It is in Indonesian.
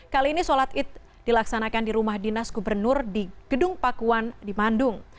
kali ini sholat id dilaksanakan di rumah dinas gubernur di gedung pakuan di bandung